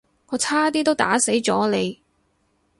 我差啲都打死咗你